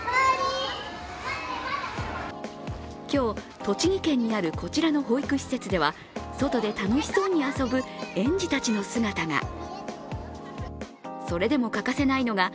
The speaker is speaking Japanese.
今日、栃木県にあるこちらの保育施設では外で楽しそうに遊ぶ園児たちの姿が。